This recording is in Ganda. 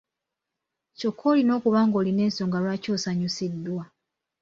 Kyokka olina okuba ng’olina ensonga lwaki osanyusiddwa.